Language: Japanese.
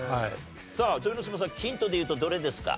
さあ豊ノ島さんヒントでいうとどれですか？